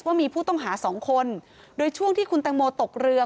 ว่ามีผู้ต้องหาสองคนโดยช่วงที่คุณแตงโมตกเรือ